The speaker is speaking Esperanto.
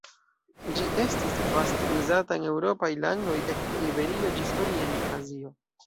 Ĝi estis vaste uzata en eŭropaj landoj ekde Iberio ĝis orienta Azio.